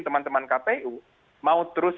teman teman kpu mau terus